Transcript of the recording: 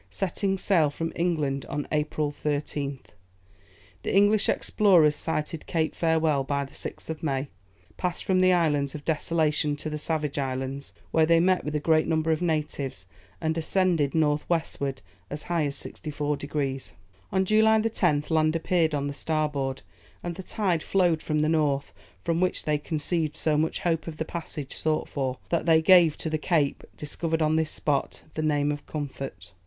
Setting sail from England on April 13th, the English explorers sighted Cape Farewell by the 6th of May, passed from the Island of Desolation to the Savage Islands, where they met with a great number of natives, and ascended north westward as high as 64 degrees. On July 10th, land appeared on the starboard, and the tide flowed from the north; from which they conceived so much hope of the passage sought for, that they gave to the cape, discovered on this spot, the name of Comfort.